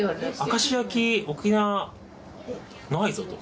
明石焼き沖縄ないぞと。